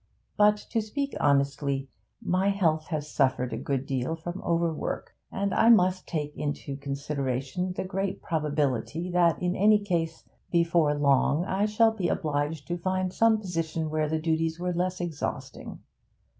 But, to speak honestly, my health has suffered a good deal from overwork, and I must take into consideration the great probability that in any case, before long, I shall be obliged to find some position where the duties were less exhausting.'